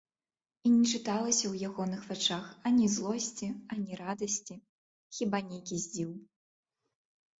І не чыталася ў ягоных вачах ані злосці, ані радасці, хіба нейкі здзіў.